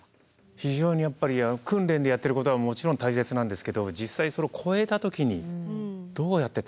非常にやっぱり訓練でやってることはもちろん大切なんですけど実際それを超えた時にどうやって対処するかっていうことですよね。